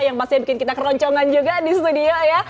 yang pasti bikin kita keroncongan juga di studio ya